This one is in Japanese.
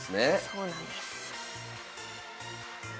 そうなんです。